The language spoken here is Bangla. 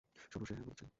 শোন, সে হ্যাঁ বলছে।